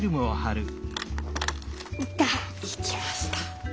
いった！いきました。